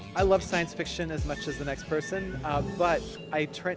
saya suka sains fiksionis seperti orang lain